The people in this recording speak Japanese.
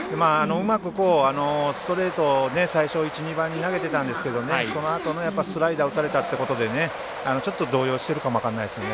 うまくストレートを最初、１、２番に投げていたんですがそのあとのスライダーを打たれたということでちょっと動揺しているかもわからないですね。